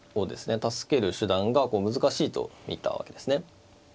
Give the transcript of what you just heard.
助ける手段が難しいと見たわけですね。